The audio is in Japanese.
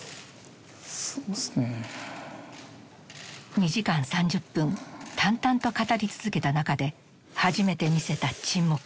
２時間３０分淡々と語り続けた中で初めて見せた沈黙。